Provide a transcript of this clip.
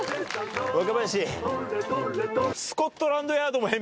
若林。